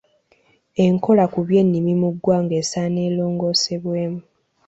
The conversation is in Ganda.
Enkola ku by’ennimi mu ggwanga esaana erongoosebwemu.